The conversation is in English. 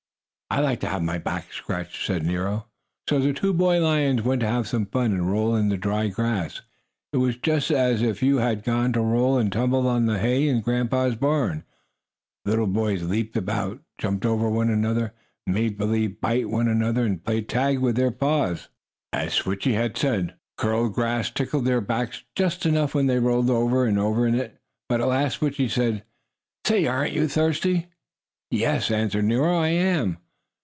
"I like to have my back scratched," said Nero. So the two boy lions went to have some fun and roll in the dried grass. It was just as if you had gone to roll and tumble on the hay in Grandpa's barn. The lion boys leaped about, jumped over one another, made believe bite one another and played tag with their paws. As Switchie had said, the dried, curled grass tickled their backs just enough when they rolled over and over in it. But at last Switchie said: "Say, aren't you thirsty?" "Yes," answered Nero, "I am."